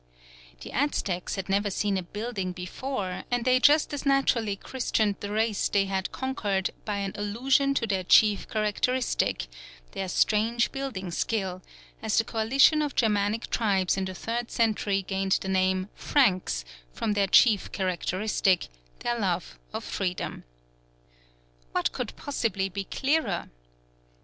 The Aztecs had never seen a building before, and they just as naturally christened the race they had conquered by an allusion to their chief characteristic, their strange building skill, as the coalition of Germanic tribes in the third century gained the name "Franks" from their chief characteristic, their love of freedom. What could possibly be clearer?